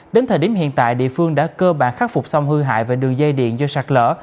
đến thời điểm hiện tại địa phương đã cơ bản khắc phục xong hư hại về đường dây điện do sạt lỡ